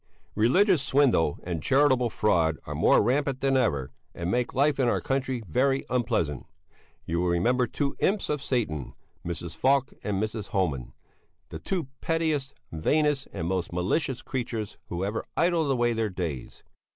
Religious swindle and charitable fraud are more rampant than ever, and make life in our country very unpleasant. You will remember two imps of Satan, Mrs. Falk and Mrs. Homan, the two pettiest, vainest and most malicious creatures who ever idled away their days.